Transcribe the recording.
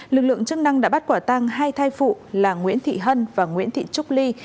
lực lượng chức năng đã bắt quả tăng hai thai phụ là nguyễn thị hân và nguyễn thị trúc ly